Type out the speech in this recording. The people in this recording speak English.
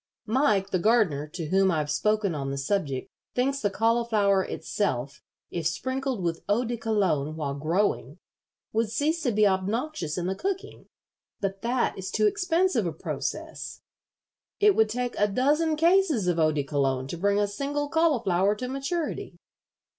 Mike, the gardener, to whom I've spoken on the subject, thinks the cauliflower itself, if sprinkled with eau de Cologne while growing, would cease to be obnoxious in the cooking; but that is too expensive a process. It would take a dozen cases of eau de Cologne to bring a single cauliflower to maturity.